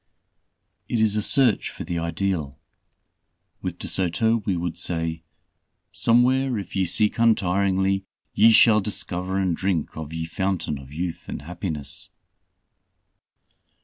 It is a search for the ideal. With De Soto we would say, "Somewhere, if ye seek untiringly, ye shall discover and drinke of ye Fountaine of Youth and Happiness."